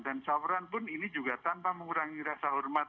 dan sauran pun ini juga tanpa mengurangi rasa hormat